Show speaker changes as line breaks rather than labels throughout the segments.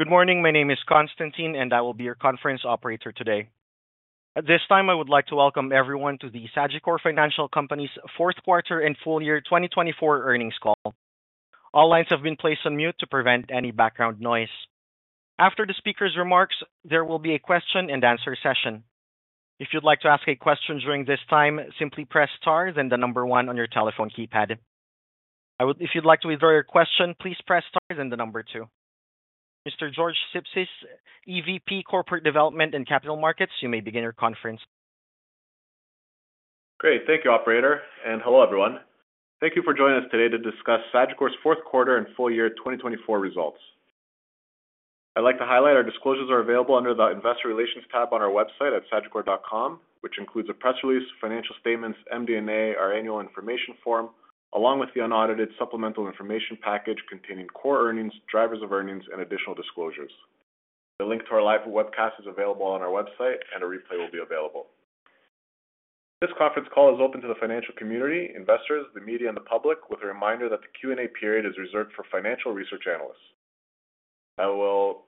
Good morning. My name is Konstantin, and I will be your conference operator today. At this time, I would like to welcome everyone to the Sagicor Financial Company's Fourth Quarter and Full Year 2024 Earnings Call. All lines have been placed on mute to prevent any background noise. After the speaker's remarks, there will be a question-and-answer session. If you'd like to ask a question during this time, simply press star, then the number one on your telephone keypad. If you'd like to withdraw your question, please press star, then the number two. Mr. George Sipsis, EVP, Corporate Development and Capital Markets, you may begin your conference.
Great. Thank you, Operator. Hello, everyone. Thank you for joining us today to discuss Sagicor's Fourth Quarter and Full Year 2024 Results. I'd like to highlight our disclosures are available under the Investor Relations tab on our website at sagicor.com, which includes a press release, financial statements, MD&A, our annual information form, along with the unaudited supplemental information package containing core earnings, drivers of earnings, and additional disclosures. The link to our live webcast is available on our website, and a replay will be available. This conference call is open to the financial community, investors, the media, and the public, with a reminder that the Q&A period is reserved for financial research analysts. I will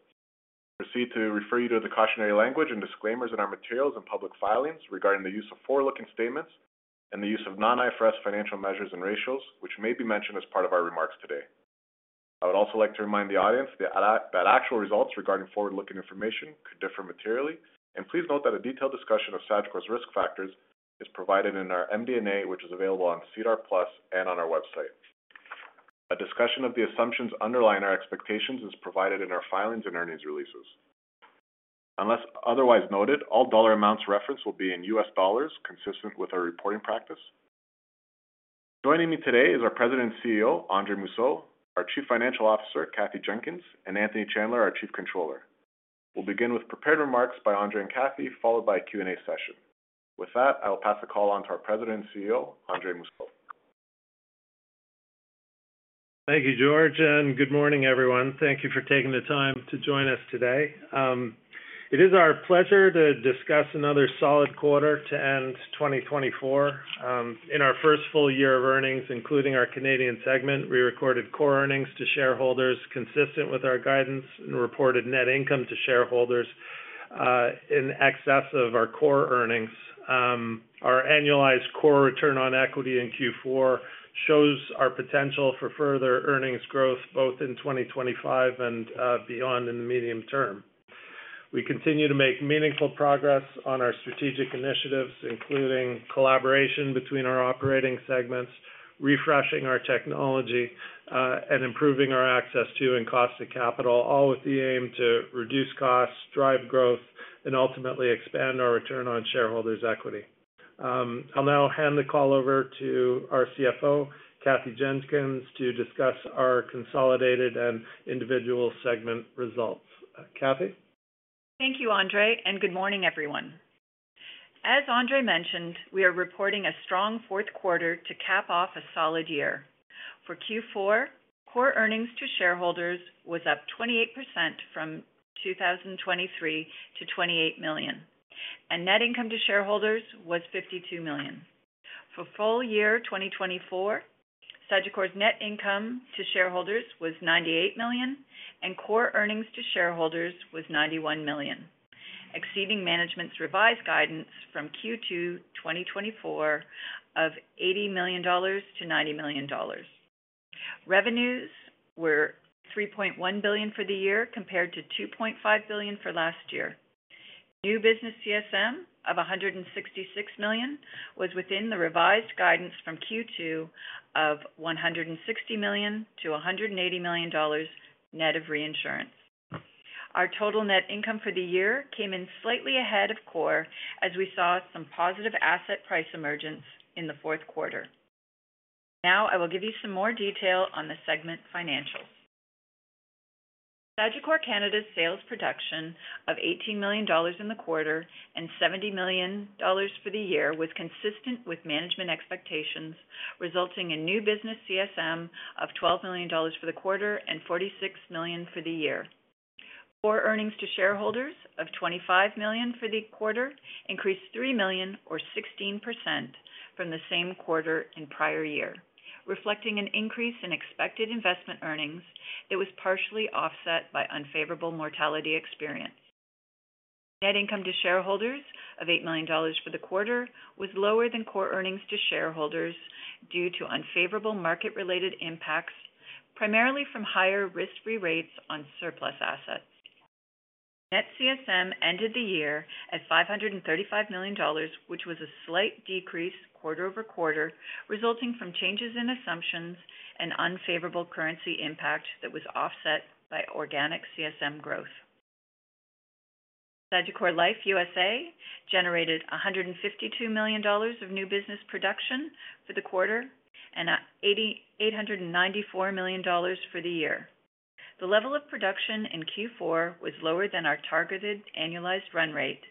proceed to refer you to the cautionary language and disclaimers in our materials and public filings regarding the use of forward-looking statements and the use of non-IFRS financial measures and ratios, which may be mentioned as part of our remarks today. I would also like to remind the audience that actual results regarding forward-looking information could differ materially. Please note that a detailed discussion of Sagicor's risk factors is provided in our MD&A, which is available on CDAR Plus and on our website. A discussion of the assumptions underlying our expectations is provided in our filings and earnings releases. Unless otherwise noted, all dollar amounts referenced will be in US dollars, consistent with our reporting practice. Joining me today is our President and CEO, Andre Mousseau, our Chief Financial Officer, Kathy Jenkins, and Anthony Chandler, our Chief Controller. We'll begin with prepared remarks by Andre and Kathy, followed by a Q&A session. With that, I will pass the call on to our President and CEO, Andre Mousseau.
Thank you, George. Good morning, everyone. Thank you for taking the time to join us today. It is our pleasure to discuss another solid quarter to end 2024. In our first full year of earnings, including our Canadian segment, we recorded core earnings to shareholders consistent with our guidance and reported net income to shareholders in excess of our core earnings. Our annualized core return on equity in Q4 shows our potential for further earnings growth both in 2025 and beyond in the medium term. We continue to make meaningful progress on our strategic initiatives, including collaboration between our operating segments, refreshing our technology, and improving our access to and cost of capital, all with the aim to reduce costs, drive growth, and ultimately expand our return on shareholders' equity. I'll now hand the call over to our CFO, Kathy Jenkins, to discuss our consolidated and individual segment results. Kathy?
Thank you, Andre. Good morning, everyone. As Andre mentioned, we are reporting a strong fourth quarter to cap off a solid year. For Q4, core earnings to shareholders was up 28% from 2023 to $28 million, and net income to shareholders was $52 million. For full year 2024, Sagicor's net income to shareholders was $98 million, and core earnings to shareholders was $91 million, exceeding management's revised guidance from Q2 2024 of $80 million-$90 million. Revenues were $3.1 billion for the year compared to $2.5 billion for last year. New business CSM of $166 million was within the revised guidance from Q2 of $160 million-$180 million net of reinsurance. Our total net income for the year came in slightly ahead of core as we saw some positive asset price emergence in the fourth quarter. Now I will give you some more detail on the segment financials. Sagicor Canada's sales production of $18 million in the quarter and $70 million for the year was consistent with management expectations, resulting in new business CSM of $12 million for the quarter and $46 million for the year. Core earnings to shareholders of $25 million for the quarter increased $3 million, or 16%, from the same quarter in prior year, reflecting an increase in expected investment earnings that was partially offset by unfavorable mortality experience. Net income to shareholders of $8 million for the quarter was lower than core earnings to shareholders due to unfavorable market-related impacts, primarily from higher risk-free rates on surplus assets. Net CSM ended the year at $535 million, which was a slight decrease quarter over quarter, resulting from changes in assumptions and unfavorable currency impact that was offset by organic CSM growth. Sagicor Life USA generated $152 million of new business production for the quarter and $894 million for the year. The level of production in Q4 was lower than our targeted annualized run rate,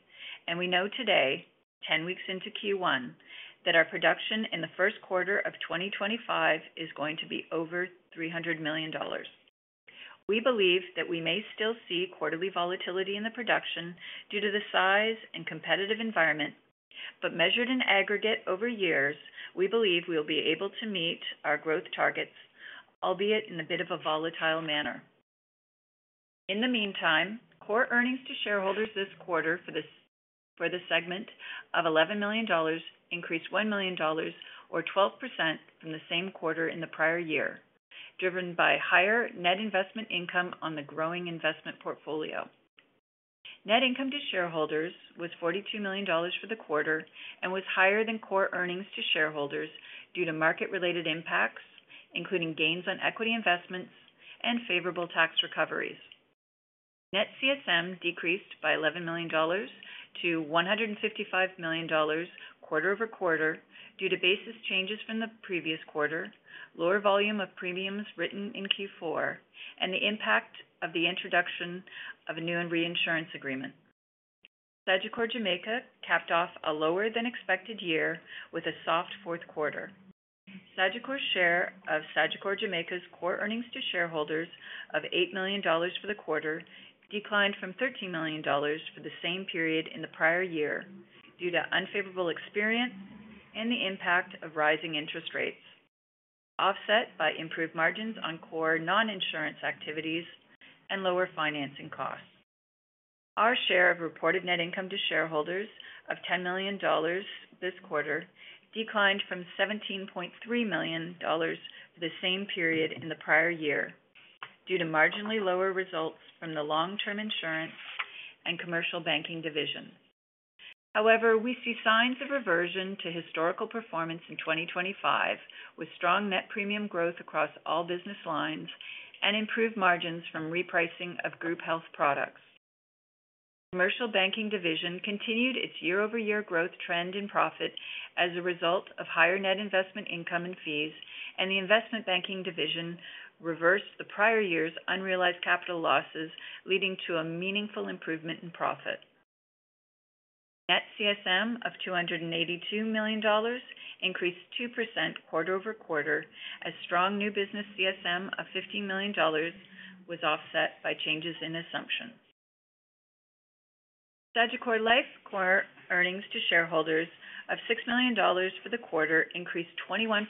and we know today, 10 weeks into Q1, that our production in the first quarter of 2025 is going to be over $300 million. We believe that we may still see quarterly volatility in the production due to the size and competitive environment, but measured in aggregate over years, we believe we will be able to meet our growth targets, albeit in a bit of a volatile manner. In the meantime, core earnings to shareholders this quarter for the segment of $11 million increased $1 million, or 12%, from the same quarter in the prior year, driven by higher net investment income on the growing investment portfolio. Net income to shareholders was $42 million for the quarter and was higher than core earnings to shareholders due to market-related impacts, including gains on equity investments and favorable tax recoveries. Net CSM decreased by $11 million to $155 million quarter over quarter due to basis changes from the previous quarter, lower volume of premiums written in Q4, and the impact of the introduction of a new reinsurance agreement. Sagicor Jamaica capped off a lower-than-expected year with a soft fourth quarter. Sagicor's share of Sagicor Jamaica's core earnings to shareholders of $8 million for the quarter declined from $13 million for the same period in the prior year due to unfavorable experience and the impact of rising interest rates, offset by improved margins on core non-insurance activities and lower financing costs. Our share of reported net income to shareholders of $10 million this quarter declined from $17.3 million for the same period in the prior year due to marginally lower results from the long-term insurance and commercial banking division. However, we see signs of reversion to historical performance in 2025, with strong net premium growth across all business lines and improved margins from repricing of group health products. Commercial banking division continued its year-over-year growth trend in profit as a result of higher net investment income and fees, and the investment banking division reversed the prior year's unrealized capital losses, leading to a meaningful improvement in profit. Net CSM of $282 million increased 2% quarter over quarter as strong new business CSM of $15 million was offset by changes in assumptions. Sagicor Life core earnings to shareholders of $6 million for the quarter increased 21%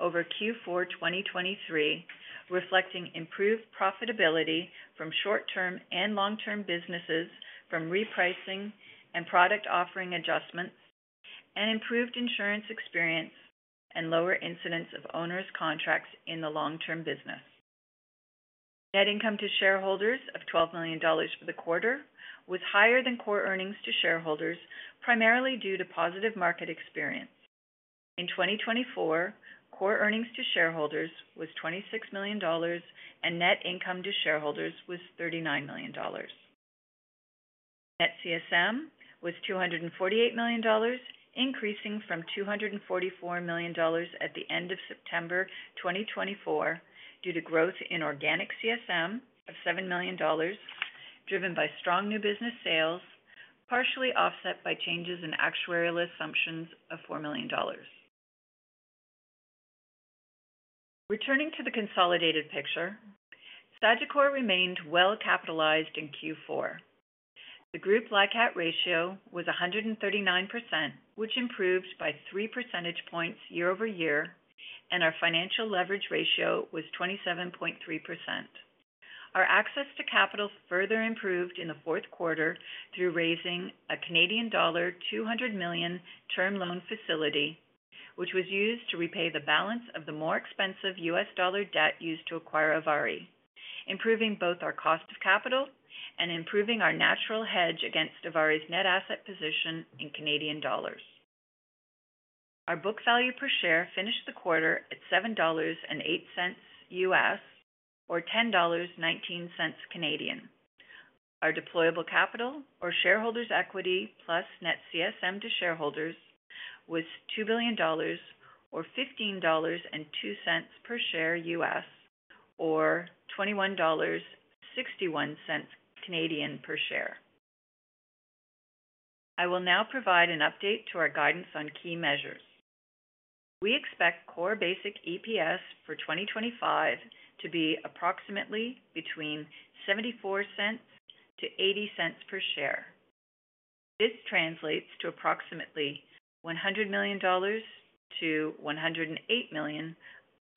over Q4 2023, reflecting improved profitability from short-term and long-term businesses from repricing and product offering adjustments, and improved insurance experience and lower incidence of onerous contracts in the long-term business. Net income to shareholders of $12 million for the quarter was higher than core earnings to shareholders, primarily due to positive market experience. In 2024, core earnings to shareholders was $26 million, and net income to shareholders was $39 million. Net CSM was $248 million, increasing from $244 million at the end of September 2024 due to growth in organic CSM of $7 million, driven by strong new business sales, partially offset by changes in actuarial assumptions of $4 million. Returning to the consolidated picture, Sagicor remained well-capitalized in Q4. The group LICAT ratio was 139%, which improved by 3 percentage points year over year, and our financial leverage ratio was 27.3%. Our access to capital further improved in the fourth quarter through raising a Canadian dollar 200 million term loan facility, which was used to repay the balance of the more expensive USD debt used to acquire ivari, improving both our cost of capital and improving our natural hedge against ivari's net asset position in CAD. Our book value per share finished the quarter at $7.08, or 10.19 Canadian dollars. Our deployable capital, or shareholders' equity plus net CSM to shareholders, was $2 billion, or $15.02 per share, or 21.61 Canadian dollars per share. I will now provide an update to our guidance on key measures. We expect core basic EPS for 2025 to be approximately between $0.74 and $0.80 per share. This translates to approximately $100 million-$108 million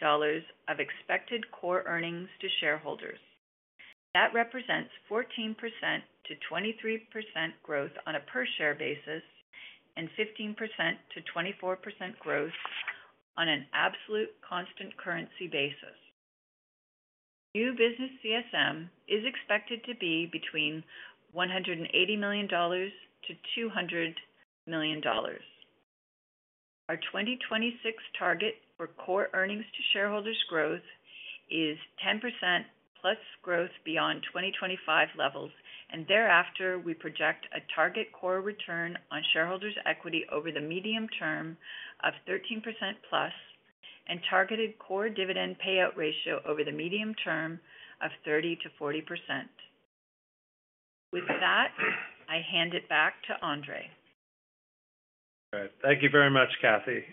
of expected core earnings to shareholders. That represents 14%-23% growth on a per-share basis and 15%-24% growth on an absolute constant currency basis. New business CSM is expected to be between $180 million and $200 million. Our 2026 target for core earnings to shareholders growth is 10% plus growth beyond 2025 levels, and thereafter we project a target core return on shareholders' equity over the medium term of 13% plus and targeted core dividend payout ratio over the medium term of 30%-40%. With that, I hand it back to Andre.
Thank you very much, Kathy.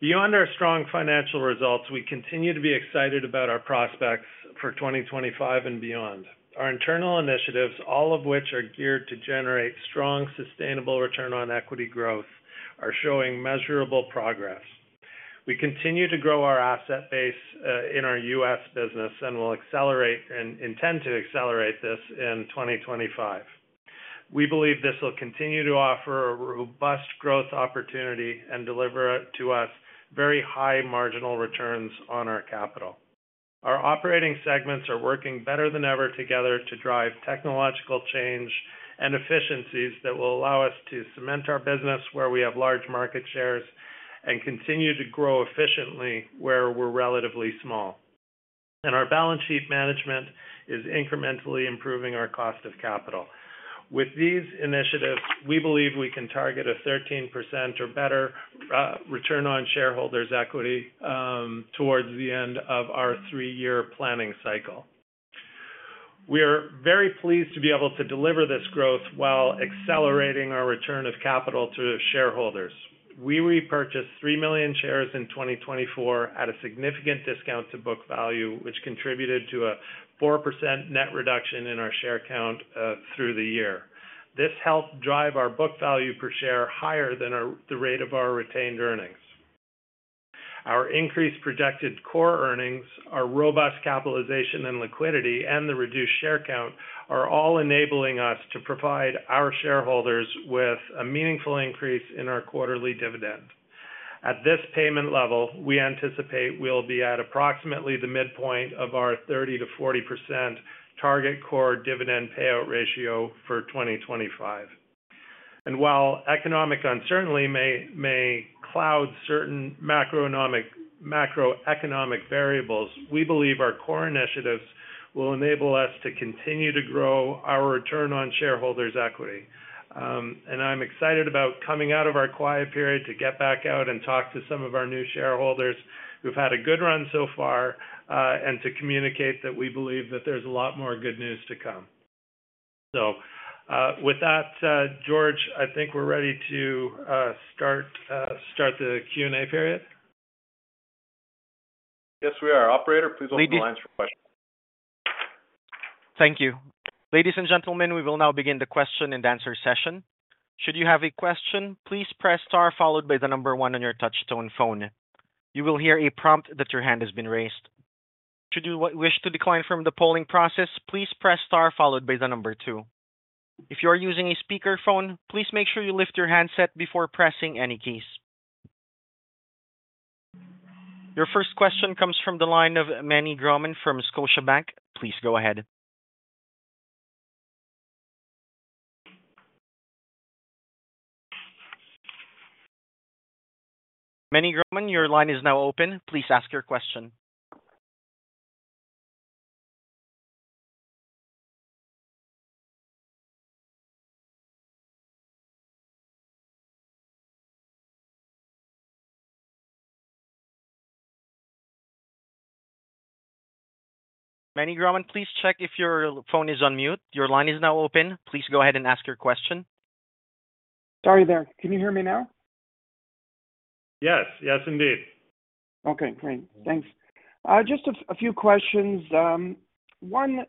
Beyond our strong financial results, we continue to be excited about our prospects for 2025 and beyond. Our internal initiatives, all of which are geared to generate strong, sustainable return on equity growth, are showing measurable progress. We continue to grow our asset base in our US business and will accelerate and intend to accelerate this in 2025. We believe this will continue to offer a robust growth opportunity and deliver to us very high marginal returns on our capital. Our operating segments are working better than ever together to drive technological change and efficiencies that will allow us to cement our business where we have large market shares and continue to grow efficiently where we're relatively small. Our balance sheet management is incrementally improving our cost of capital. With these initiatives, we believe we can target a 13% or better return on shareholders' equity towards the end of our three-year planning cycle. We are very pleased to be able to deliver this growth while accelerating our return of capital to shareholders. We repurchased 3 million shares in 2024 at a significant discount to book value, which contributed to a 4% net reduction in our share count through the year. This helped drive our book value per share higher than the rate of our retained earnings. Our increased projected core earnings, our robust capitalization and liquidity, and the reduced share count are all enabling us to provide our shareholders with a meaningful increase in our quarterly dividend. At this payment level, we anticipate we'll be at approximately the midpoint of our 30%-40% target core dividend payout ratio for 2025. While economic uncertainty may cloud certain macroeconomic variables, we believe our core initiatives will enable us to continue to grow our return on shareholders' equity. I am excited about coming out of our quiet period to get back out and talk to some of our new shareholders who have had a good run so far and to communicate that we believe that there is a lot more good news to come. With that, George, I think we are ready to start the Q&A period.
Yes, we are. Operator, please open the lines for questions.
Thank you. Ladies and gentlemen, we will now begin the question and answer session. Should you have a question, please press star followed by the number 1 on your touch-tone phone. You will hear a prompt that your hand has been raised. Should you wish to decline from the polling process, please press star followed by the number 2. If you are using a speakerphone, please make sure you lift your handset before pressing any keys. Your first question comes from the line of Meny Grauman from Scotiabank. Please go ahead. Meny Grauman, your line is now open. Please ask your question. Meny Grauman, please check if your phone is on mute. Your line is now open. Please go ahead and ask your question.
Sorry, there. Can you hear me now?
Yes. Yes, indeed.
Okay. Great. Thanks. Just a few questions. One,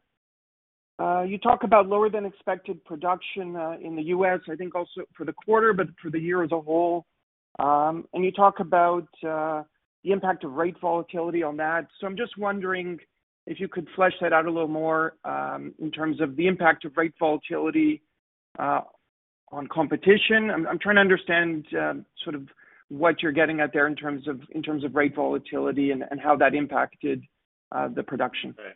you talk about lower-than-expected production in the U.S., I think also for the quarter, but for the year as a whole. You talk about the impact of rate volatility on that. I'm just wondering if you could flesh that out a little more in terms of the impact of rate volatility on competition. I'm trying to understand sort of what you're getting at there in terms of rate volatility and how that impacted the production.
Right.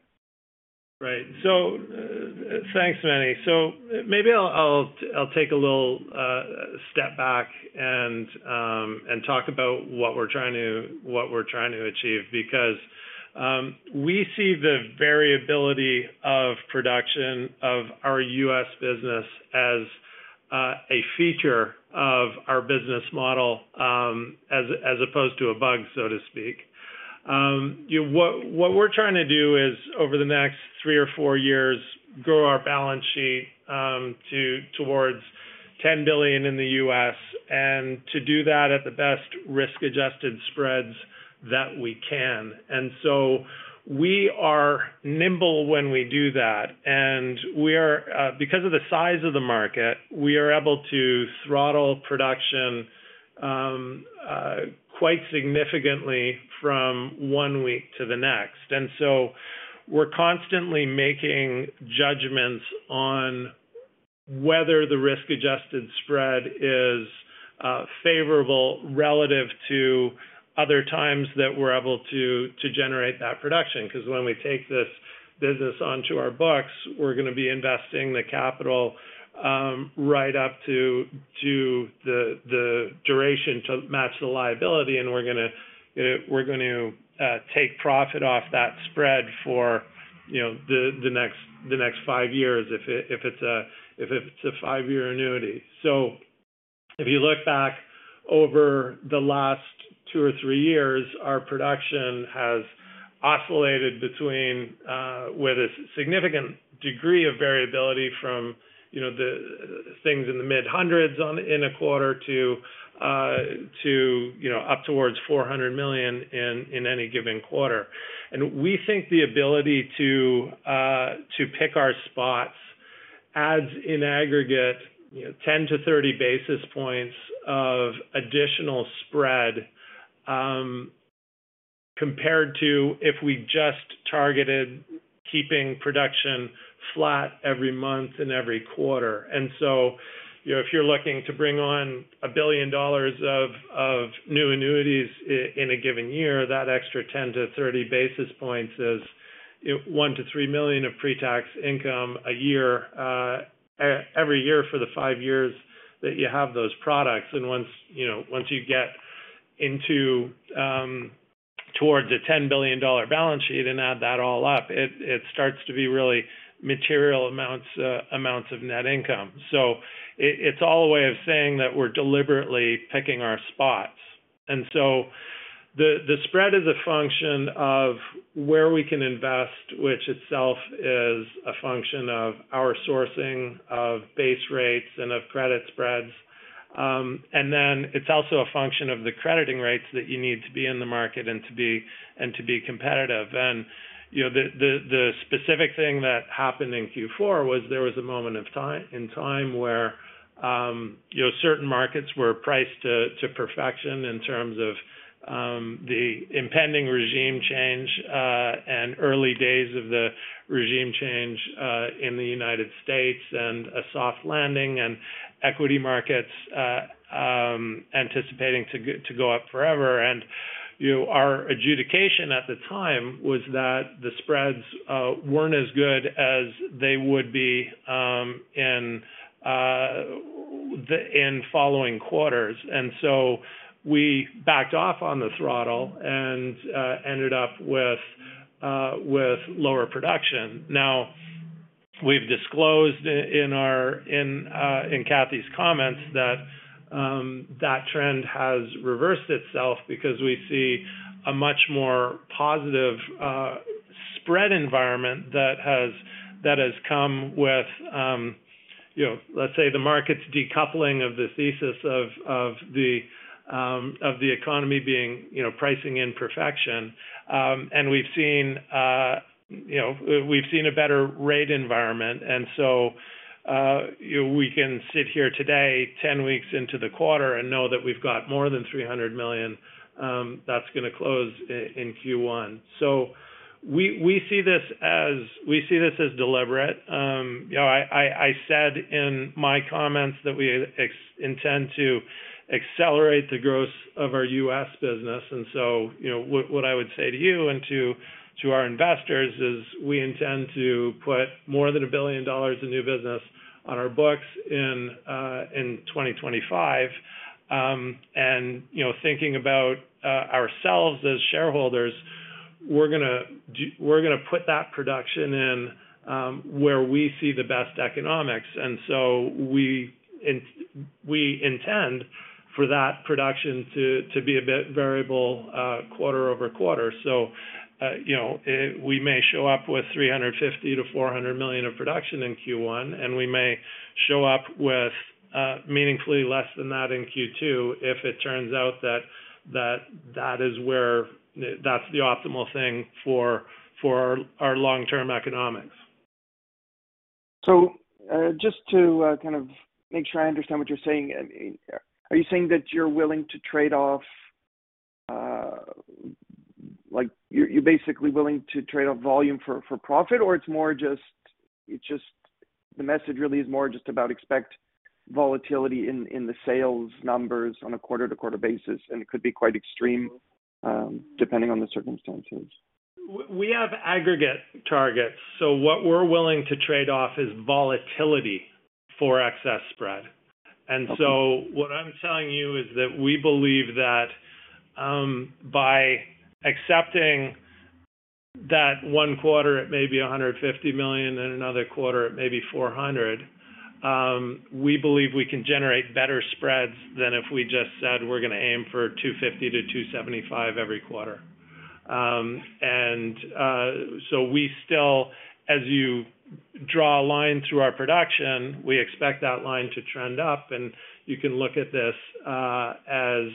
Right. Thanks, Meny. Maybe I'll take a little step back and talk about what we're trying to achieve because we see the variability of production of our U.S. business as a feature of our business model as opposed to a bug, so to speak. What we're trying to do is, over the next three or four years, grow our balance sheet towards $10 billion in the U.S. and to do that at the best risk-adjusted spreads that we can. We are nimble when we do that. Because of the size of the market, we are able to throttle production quite significantly from one week to the next. We're constantly making judgments on whether the risk-adjusted spread is favorable relative to other times that we're able to generate that production. Because when we take this business onto our books, we're going to be investing the capital right up to the duration to match the liability, and we're going to take profit off that spread for the next five years if it's a five-year annuity. If you look back over the last two or three years, our production has oscillated with a significant degree of variability from things in the mid-hundreds in a quarter to up towards $400 million in any given quarter. We think the ability to pick our spots adds in aggregate 10-30 basis points of additional spread compared to if we just targeted keeping production flat every month and every quarter. If you're looking to bring on a billion dollars of new annuities in a given year, that extra 10-30 basis points is $1 million-$3 million of pre-tax income every year for the five years that you have those products. Once you get towards a $10 billion balance sheet and add that all up, it starts to be really material amounts of net income. It is all a way of saying that we're deliberately picking our spots. The spread is a function of where we can invest, which itself is a function of our sourcing of base rates and of credit spreads. It is also a function of the crediting rates that you need to be in the market and to be competitive. The specific thing that happened in Q4 was there was a moment in time where certain markets were priced to perfection in terms of the impending regime change and early days of the regime change in the United States and a soft landing and equity markets anticipating to go up forever. Our adjudication at the time was that the spreads were not as good as they would be in following quarters. We backed off on the throttle and ended up with lower production. We have disclosed in Kathy's comments that that trend has reversed itself because we see a much more positive spread environment that has come with, let's say, the market's decoupling of the thesis of the economy pricing in perfection. We have seen a better rate environment. We can sit here today 10 weeks into the quarter and know that we have got more than $300 million that is going to close in Q1. We see this as deliberate. I said in my comments that we intend to accelerate the growth of our U.S. business. What I would say to you and to our investors is we intend to put more than $1 billion in new business on our books in 2025. Thinking about ourselves as shareholders, we are going to put that production in where we see the best economics. We intend for that production to be a bit variable quarter over quarter. We may show up with $350 million-$400 million of production in Q1, and we may show up with meaningfully less than that in Q2 if it turns out that that is where that's the optimal thing for our long-term economics.
Just to kind of make sure I understand what you're saying, are you saying that you're willing to trade off, you're basically willing to trade off volume for profit, or it's more just the message really is more just about expect volatility in the sales numbers on a quarter-to-quarter basis, and it could be quite extreme depending on the circumstances?
We have aggregate targets. What we are willing to trade off is volatility for excess spread. What I am telling you is that we believe that by accepting that one quarter, it may be $150 million, and another quarter, it may be $400 million, we believe we can generate better spreads than if we just said we are going to aim for $250 million-$275 million every quarter. As you draw a line through our production, we expect that line to trend up. You can look at this as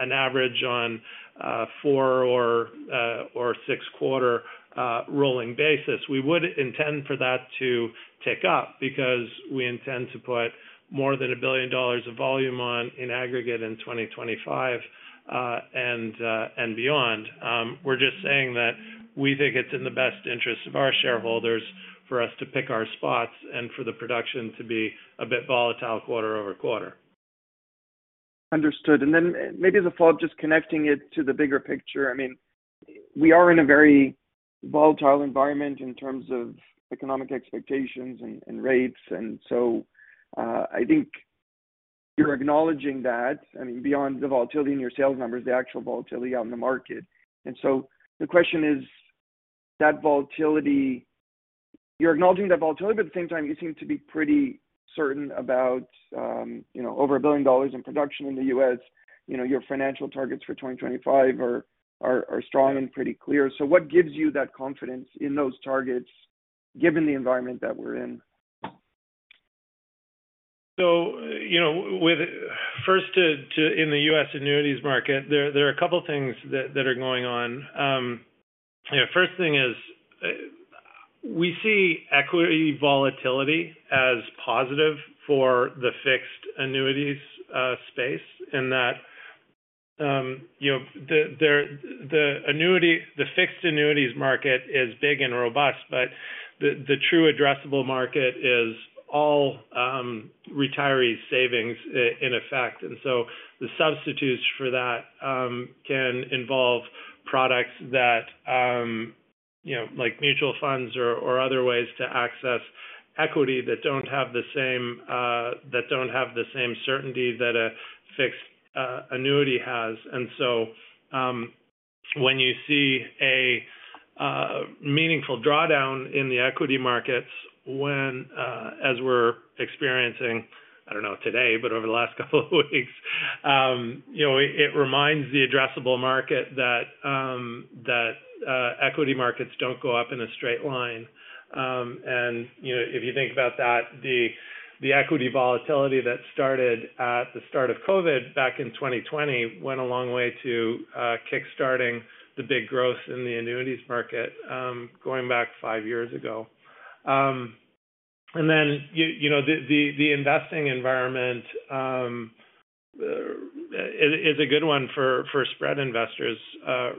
an average on a four or six-quarter rolling basis. We would intend for that to tick up because we intend to put more than $1 billion of volume on in aggregate in 2025 and beyond. We're just saying that we think it's in the best interest of our shareholders for us to pick our spots and for the production to be a bit volatile quarter over quarter.
Understood. Maybe as a follow-up, just connecting it to the bigger picture. I mean, we are in a very volatile environment in terms of economic expectations and rates. I think you're acknowledging that, I mean, beyond the volatility in your sales numbers, the actual volatility out in the market. The question is, you're acknowledging that volatility, but at the same time, you seem to be pretty certain about over $1 billion in production in the U.S. Your financial targets for 2025 are strong and pretty clear. What gives you that confidence in those targets given the environment that we're in?
First, in the U.S. annuities market, there are a couple of things that are going on. The first thing is we see equity volatility as positive for the fixed annuities space in that the fixed annuities market is big and robust, but the true addressable market is all retiree savings in effect. The substitutes for that can involve products like mutual funds or other ways to access equity that do not have the same certainty that a fixed annuity has. When you see a meaningful drawdown in the equity markets, as we are experiencing, I do not know today, but over the last couple of weeks, it reminds the addressable market that equity markets do not go up in a straight line. If you think about that, the equity volatility that started at the start of COVID back in 2020 went a long way to kickstarting the big growth in the annuities market going back five years ago. The investing environment is a good one for spread investors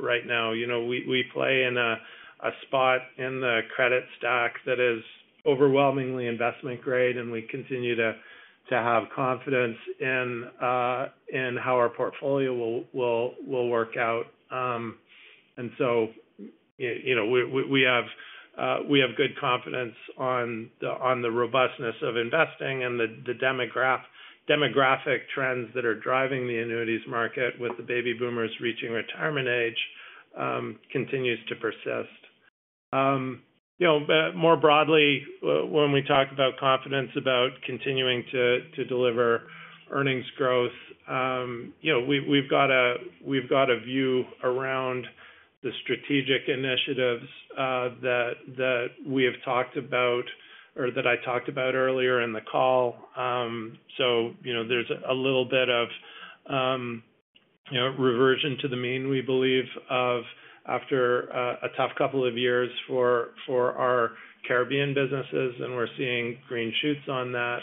right now. We play in a spot in the credit stack that is overwhelmingly investment grade, and we continue to have confidence in how our portfolio will work out. We have good confidence on the robustness of investing and the demographic trends that are driving the annuities market with the baby boomers reaching retirement age continues to persist. More broadly, when we talk about confidence about continuing to deliver earnings growth, we have a view around the strategic initiatives that we have talked about or that I talked about earlier in the call. There is a little bit of reversion to the mean, we believe, after a tough couple of years for our Caribbean businesses, and we are seeing green shoots on that.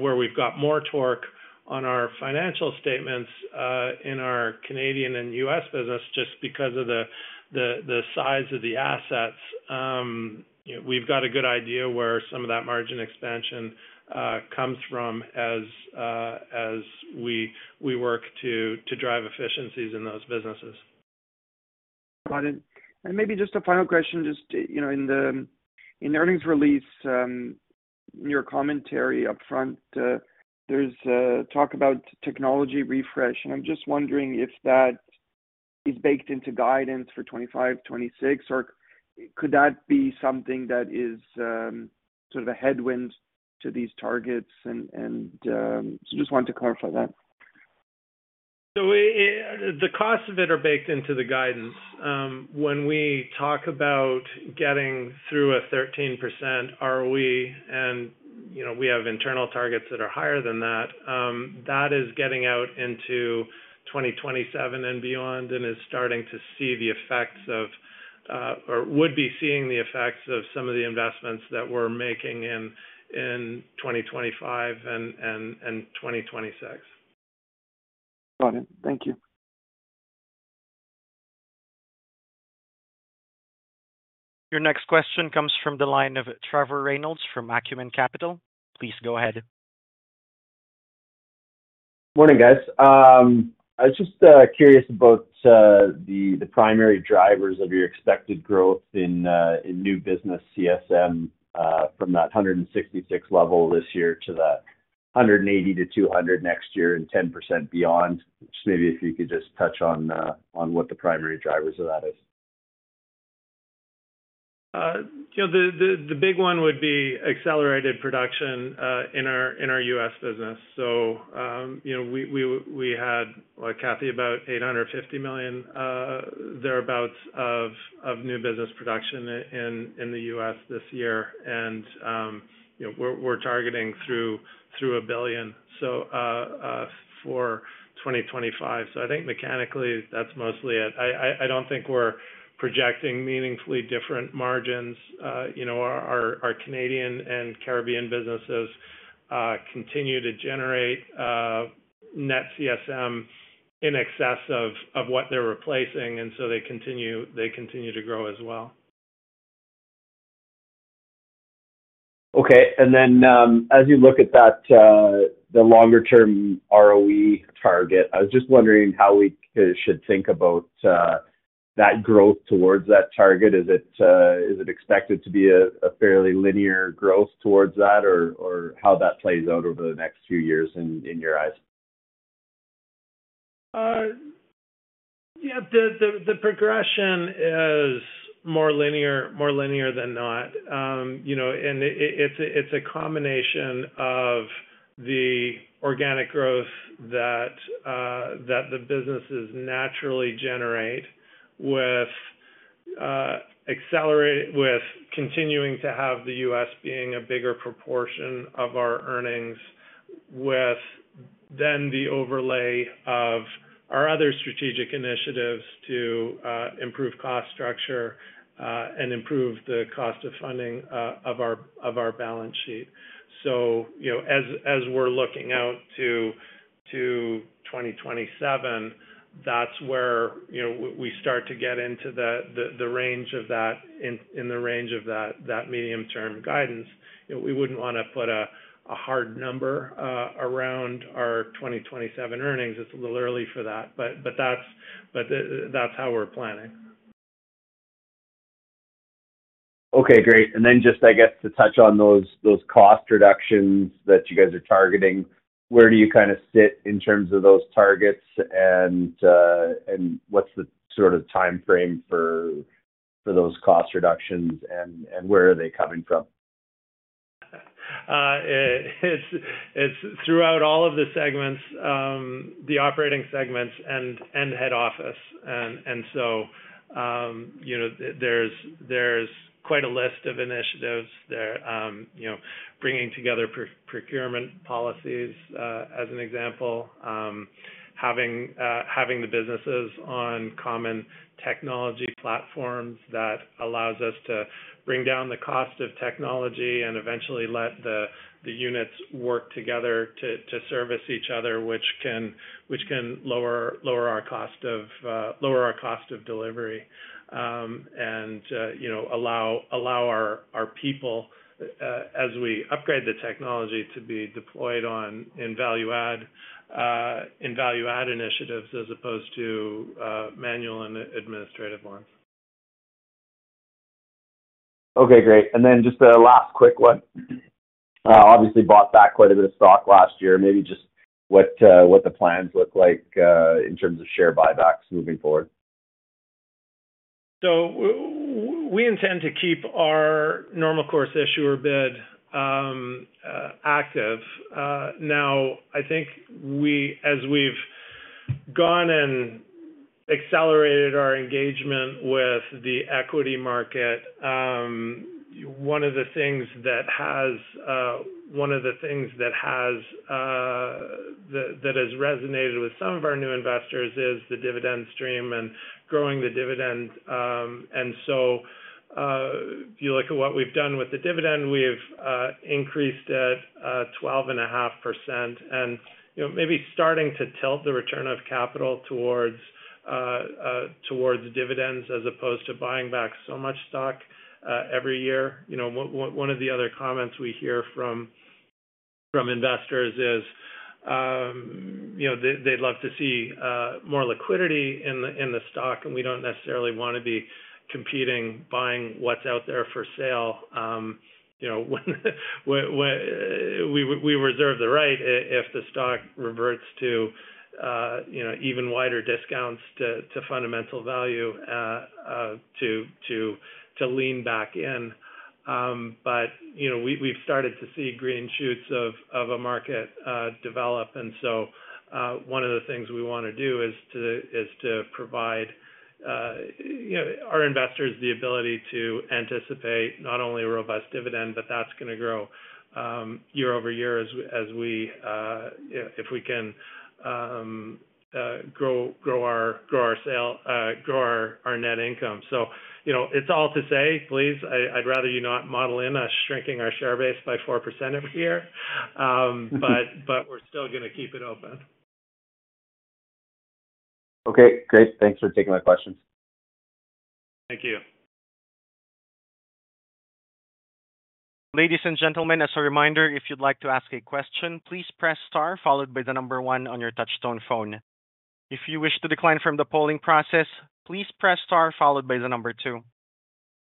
Where we have more torque on our financial statements is in our Canadian and U.S. business, just because of the size of the assets. We have a good idea where some of that margin expansion comes from as we work to drive efficiencies in those businesses.
Got it. Maybe just a final question. Just in the earnings release, in your commentary upfront, there's talk about technology refresh. I'm just wondering if that is baked into guidance for 2025, 2026, or could that be something that is sort of a headwind to these targets? I just wanted to clarify that.
The costs of it are baked into the guidance. When we talk about getting through a 13% ROE, and we have internal targets that are higher than that, that is getting out into 2027 and beyond and is starting to see the effects of or would be seeing the effects of some of the investments that we're making in 2025 and 2026.
Got it. Thank you.
Your next question comes from the line of Trevor Reynolds from Acumen Capital. Please go ahead.
Morning, guys. I was just curious about the primary drivers of your expected growth in new business CSM from that 166 level this year to that 180-200 next year and 10% beyond. Just maybe if you could just touch on what the primary drivers of that is.
The big one would be accelerated production in our U.S. business. Like Kathy, we had about $850 million thereabouts of new business production in the U.S. this year. We are targeting through $1 billion for 2025. I think mechanically, that's mostly it. I do not think we are projecting meaningfully different margins. Our Canadian and Caribbean businesses continue to generate net CSM in excess of what they are replacing, and they continue to grow as well.
Okay. As you look at the longer-term ROE target, I was just wondering how we should think about that growth towards that target. Is it expected to be a fairly linear growth towards that, or how that plays out over the next few years in your eyes?
Yeah. The progression is more linear than not. It is a combination of the organic growth that the businesses naturally generate with continuing to have the U.S. being a bigger proportion of our earnings, with then the overlay of our other strategic initiatives to improve cost structure and improve the cost of funding of our balance sheet. As we are looking out to 2027, that is where we start to get into the range of that medium-term guidance. We would not want to put a hard number around our 2027 earnings. It is a little early for that, but that is how we are planning. Okay. Great. Just, I guess, to touch on those cost reductions that you guys are targeting, where do you kind of sit in terms of those targets, and what's the sort of timeframe for those cost reductions, and where are they coming from? It's throughout all of the segments, the operating segments and head office. There's quite a list of initiatives there, bringing together procurement policies as an example, having the businesses on common technology platforms that allows us to bring down the cost of technology and eventually let the units work together to service each other, which can lower our cost of delivery and allow our people, as we upgrade the technology, to be deployed in value-add initiatives as opposed to manual and administrative ones.
Okay. Great. Just the last quick one. Obviously, bought back quite a bit of stock last year. Maybe just what the plans look like in terms of share buybacks moving forward.
We intend to keep our normal course issuer bid active. I think as we've gone and accelerated our engagement with the equity market, one of the things that has resonated with some of our new investors is the dividend stream and growing the dividend. If you look at what we've done with the dividend, we've increased it 12.5% and maybe starting to tilt the return of capital towards dividends as opposed to buying back so much stock every year. One of the other comments we hear from investors is they'd love to see more liquidity in the stock, and we don't necessarily want to be competing, buying what's out there for sale. We reserve the right if the stock reverts to even wider discounts to fundamental value to lean back in. We have started to see green shoots of a market develop. One of the things we want to do is to provide our investors the ability to anticipate not only a robust dividend, but one that is going to grow year over year if we can grow our net income. It is all to say, please, I would rather you not model in us shrinking our share base by 4% every year, but we are still going to keep it open.
Okay. Great. Thanks for taking my questions.
Thank you.
Ladies and gentlemen, as a reminder, if you'd like to ask a question, please press star followed by the number one on your touch-tone phone. If you wish to decline from the polling process, please press star followed by the number two.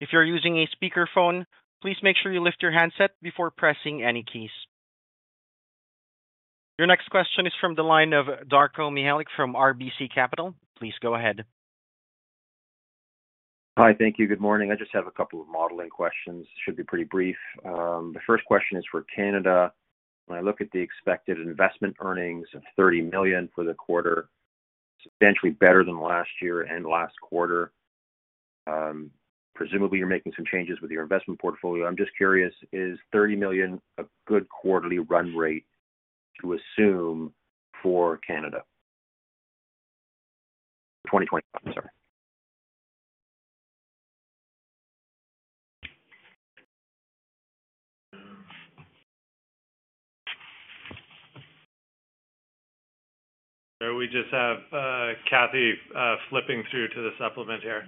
If you're using a speakerphone, please make sure you lift your handset before pressing any keys. Your next question is from the line of Darko Mihelic from RBC Capital. Please go ahead.
Hi. Thank you. Good morning. I just have a couple of modeling questions. Should be pretty brief. The first question is for Canada. When I look at the expected investment earnings of $30 million for the quarter, it's essentially better than last year and last quarter. Presumably, you're making some changes with your investment portfolio. I'm just curious, is $30 million a good quarterly run rate to assume for Canada? 2020, I'm sorry.
We just have Kathy flipping through to the supplement here.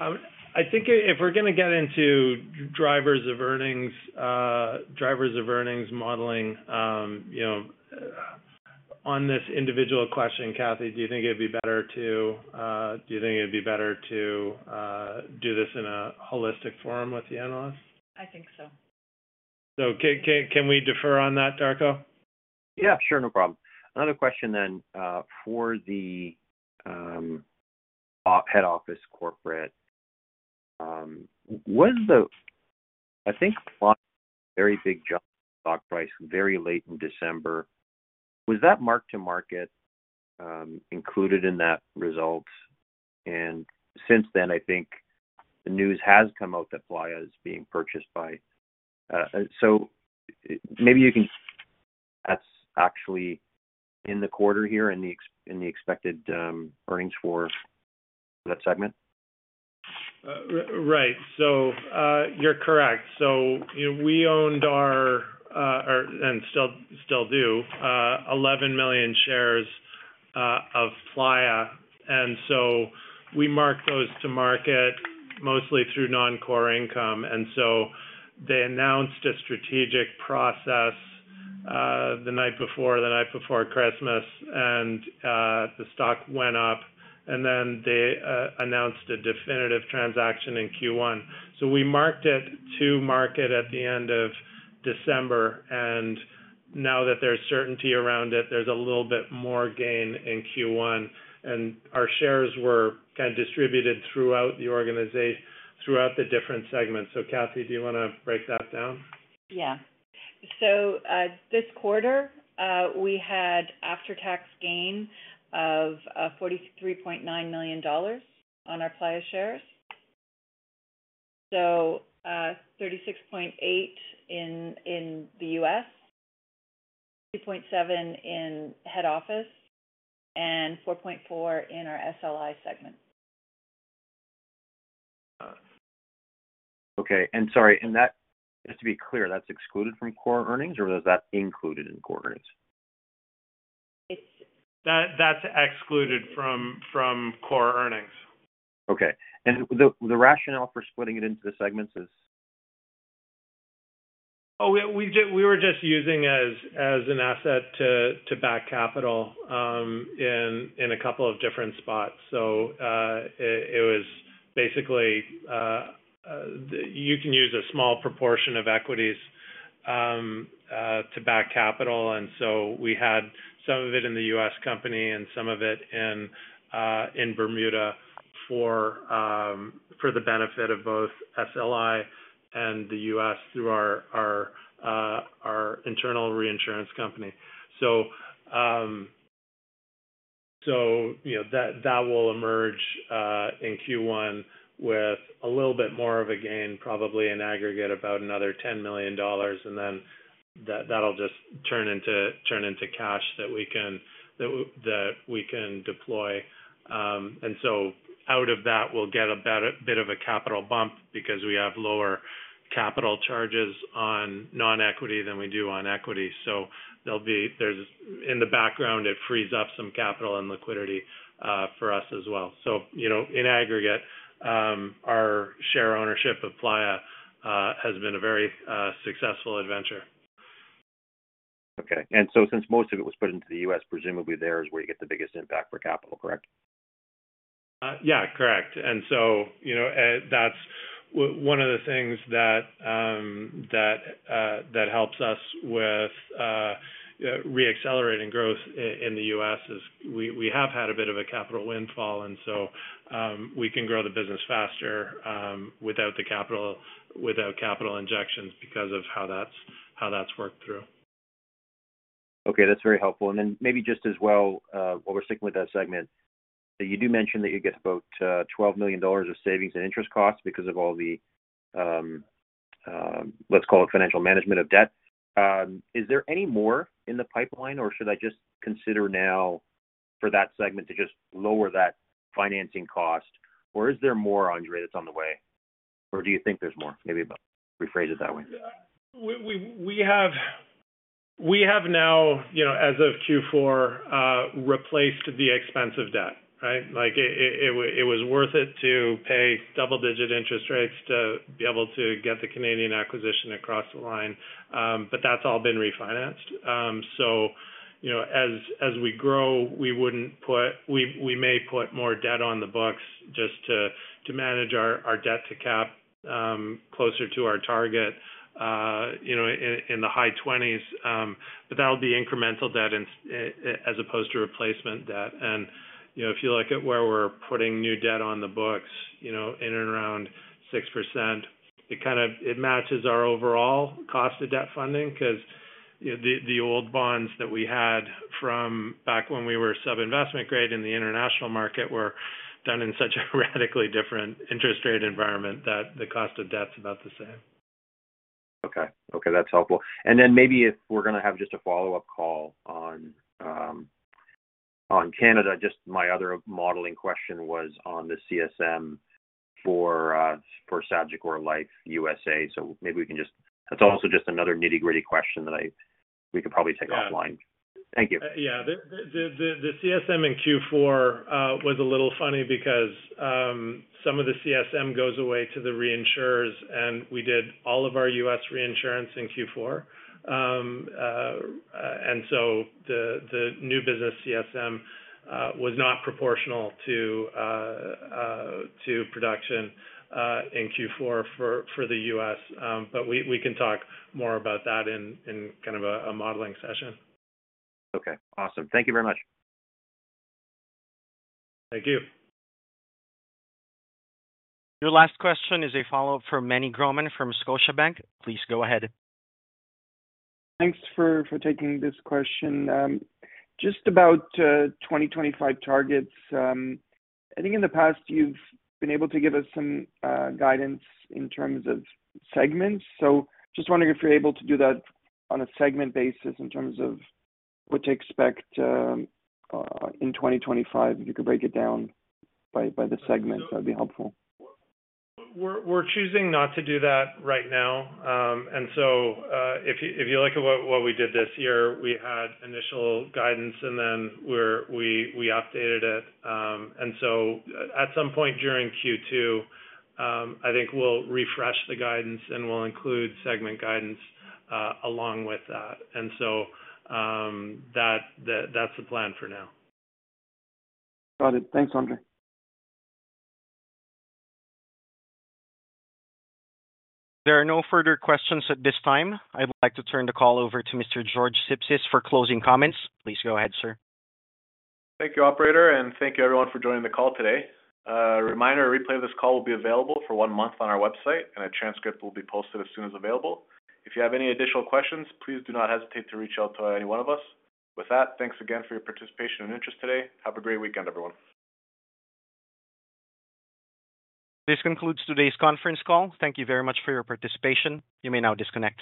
I think if we're going to get into drivers of earnings, drivers of earnings modeling on this individual question, Kathy, do you think it'd be better to do this in a holistic forum with the analysts?
I think so.
Can we defer on that, Darko?
Yeah. Sure. No problem. Another question then for the head office corporate. I think very big jump in stock price very late in December. Was that mark-to-market included in that result? Since then, I think the news has come out that Playa is being purchased by, so maybe you can. That's actually in the quarter here in the expected earnings for that segment?
Right. You're correct. We owned our and still do 11 million shares of Playa. We marked those to market mostly through non-core income. They announced a strategic process the night before Christmas, and the stock went up. They announced a definitive transaction in Q1. We marked it to market at the end of December. Now that there's certainty around it, there's a little bit more gain in Q1. Our shares were kind of distributed throughout the organization throughout the different segments. Kathy, do you want to break that down?
Yeah. This quarter, we had an after-tax gain of $43.9 million on our Playa shares. $36.8 million in the U.S., $2.7 million in head office, and $4.4 million in our Sagicor Life segment.
Okay. Sorry, and that just to be clear, that's excluded from core earnings, or was that included in core earnings?
That's excluded from core earnings.
Okay. The rationale for splitting it into the segments is?
Oh, we were just using it as an asset to back capital in a couple of different spots. It was basically you can use a small proportion of equities to back capital. We had some of it in the U.S. company and some of it in Bermuda for the benefit of both Sagicor Life and the U.S. through our internal reinsurance company. That will emerge in Q1 with a little bit more of a gain, probably in aggregate about another $10 million. That will just turn into cash that we can deploy. Out of that, we will get a bit of a capital bump because we have lower capital charges on non-equity than we do on equity. In the background, it frees up some capital and liquidity for us as well. In aggregate, our share ownership of Playa has been a very successful adventure.
Okay. Since most of it was put into the U.S., presumably there is where you get the biggest impact for capital, correct?
Yeah. Correct. That is one of the things that helps us with re-accelerating growth in the U.S. is we have had a bit of a capital windfall, and we can grow the business faster without the capital injections because of how that has worked through.
Okay. That's very helpful. Maybe just as well, while we're sticking with that segment, you do mention that you get about $12 million of savings in interest costs because of all the, let's call it, financial management of debt. Is there any more in the pipeline, or should I just consider now for that segment to just lower that financing cost? Is there more, Andre, that's on the way? Do you think there's more? Maybe rephrase it that way.
We have now, as of Q4, replaced the expense of debt, right? It was worth it to pay double-digit interest rates to be able to get the Canadian acquisition across the line, but that's all been refinanced. As we grow, we wouldn't put, we may put more debt on the books just to manage our debt to cap closer to our target in the high 20s. That'll be incremental debt as opposed to replacement debt. If you look at where we're putting new debt on the books, in and around 6%, it matches our overall cost of debt funding because the old bonds that we had from back when we were sub-investment grade in the international market were done in such a radically different interest rate environment that the cost of debt's about the same.
Okay. Okay. That's helpful. If we're going to have just a follow-up call on Canada, just my other modeling question was on the CSM for Sagicor Life USA. Maybe we can just, that's also just another nitty-gritty question that we could probably take offline. Thank you.
Yeah. The CSM in Q4 was a little funny because some of the CSM goes away to the reinsurers, and we did all of our U.S. reinsurance in Q4. The new business CSM was not proportional to production in Q4 for the U.S. We can talk more about that in kind of a modeling session.
Okay. Awesome. Thank you very much.
Thank you.
Your last question is a follow-up for Meny Grauman from Scotiabank. Please go ahead.
Thanks for taking this question. Just about 2025 targets, I think in the past, you've been able to give us some guidance in terms of segments. Just wondering if you're able to do that on a segment basis in terms of what to expect in 2025, if you could break it down by the segment. That'd be helpful.
We're choosing not to do that right now. If you look at what we did this year, we had initial guidance, and then we updated it. At some point during Q2, I think we'll refresh the guidance, and we'll include segment guidance along with that. That's the plan for now.
Got it. Thanks, Andre.
There are no further questions at this time. I'd like to turn the call over to Mr. George Sipsis for closing comments. Please go ahead, sir.
Thank you, Operator, and thank you, everyone, for joining the call today. A reminder, a replay of this call will be available for one month on our website, and a transcript will be posted as soon as available. If you have any additional questions, please do not hesitate to reach out to any one of us. With that, thanks again for your participation and interest today. Have a great weekend, everyone.
This concludes today's conference call. Thank you very much for your participation. You may now disconnect.